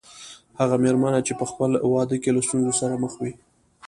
هغه مېرمنه چې په خپل واده کې له ستونزو سره مخ وي.